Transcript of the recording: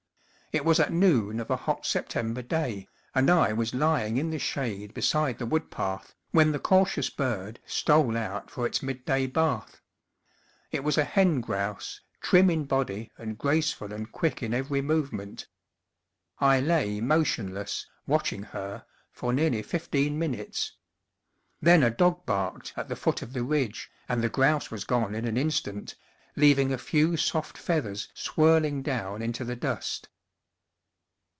It was at noon of a hot September day, and I was lying in the shade beside the wood path, when the cautious bird stole out for its midday bath. It was a hen grouse, trim in body and graceful and quick in every movement. I lay motionless, watch ing her, for nearly fifteen minutes. Then a dog barked at the foot of the ridge, and the grouse was gone in an instant, leaving a few soft feathers swirling down into the dust.